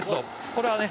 「これはね